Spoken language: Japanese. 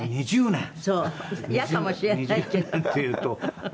「２０年っていうと８０」